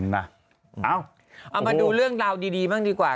เอามาดูเรื่องราวดีบ้างดีกว่า